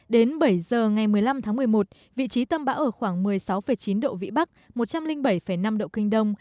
đến bảy giờ ngày một mươi năm tháng một mươi một vị trí tâm bão ở khoảng một mươi sáu chín độ vĩ bắc một trăm linh bảy năm độ kinh đông